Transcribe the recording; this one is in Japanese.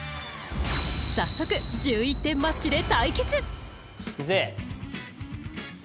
早速１１点マッチで対決いくぜ！